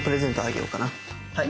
はい。